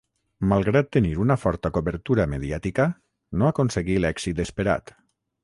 Malgrat tenir una forta cobertura mediàtica, no aconseguí l'èxit esperat.